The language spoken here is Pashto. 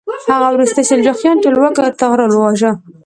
هغه وروستی سلجوقي ټولواک طغرل وواژه.